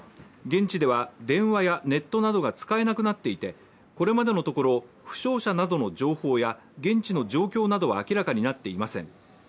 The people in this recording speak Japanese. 現地では電話やネットなどが使えなくなっていてこれまでのところ負傷者などの情報や現地の状況などは明らかになっていません。